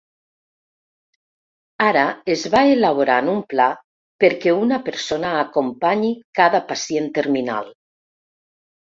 Ara es va elaborant un pla perquè una persona acompanyi cada pacient terminal.